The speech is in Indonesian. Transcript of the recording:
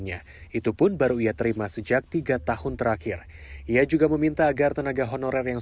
nya itu pun baru ia terima sejak tiga tahun terakhir ia juga meminta agar tenaga honorer yang